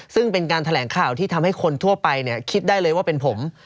ซึ่งเป็นการแถลงข่าวที่ทำให้คนทั่วไปคิดได้เลยว่าเป็นผม